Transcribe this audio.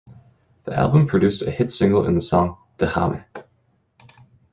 The album produced a hit single in the song "Dejame".